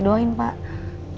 for sure awal awalaih